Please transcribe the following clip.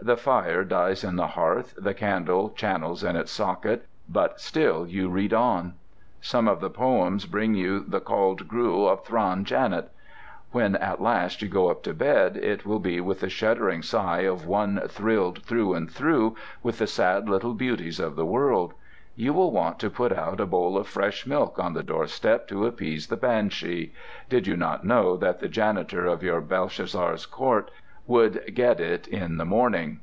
The fire dies on the hearth, the candle channels in its socket, but still you read on. Some of the poems bring you the cauld grue of Thrawn Janet. When at last you go up to bed, it will be with the shuddering sigh of one thrilled through and through with the sad little beauties of the world. You will want to put out a bowl of fresh milk on the doorstep to appease the banshee—did you not know that the janitor of your Belshazzar Court would get it in the morning.